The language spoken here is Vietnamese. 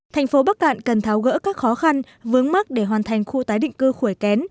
thành phố bắc cạn cần tháo gỡ các khó khăn vướng mắt để hoàn thành khu tái định cư khuổi kén